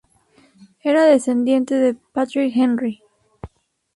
Era descendiente de Patrick Henry.